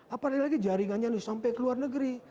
apalagi jaringannya sampai ke luar negeri